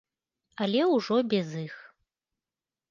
Але ўжо без іх.